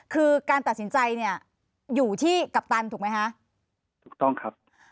คือการตัดสินใจเนี่ยอยู่ที่กัปตันถูกไหมคะถูกต้องครับ